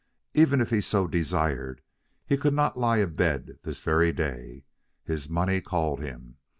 Even if he so desired, he could not lie abed this very day. His money called him.